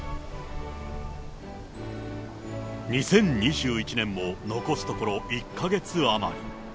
２０２１年も残すところ１か月余り。